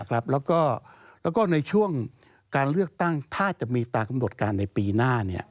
แล้วก็ในช่วงการเลือกตั้งถ้าจะมีตามกำหนดการในปีหน้า